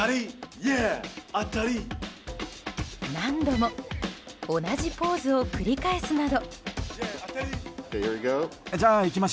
何度も同じポーズを繰り返すなど。